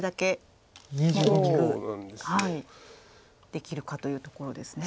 できるかというところですね。